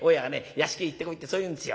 『屋敷へ行ってこい』ってそう言うんですよ。